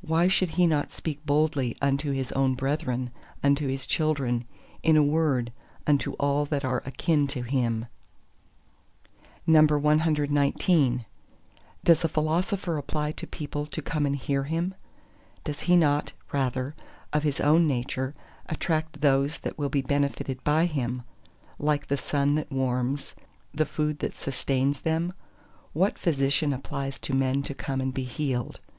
Why should he not speak boldly unto his own brethren, unto his children—in a word, unto all that are akin to him! CXX Does a Philosopher apply to people to come and hear him? does he not rather, of his own nature, attract those that will be benefited by him—like the sun that warms, the food that sustains them? What Physician applies to men to come and be healed?